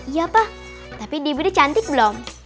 iya pak tapi debbie dia cantik belum